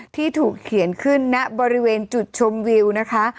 ที่ถูกเขียนขึ้นณบริเวณจุดชมวิวนะคะ